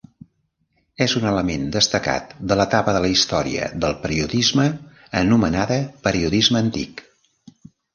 És un element destacat de l'etapa de la història del periodisme anomenada periodisme antic.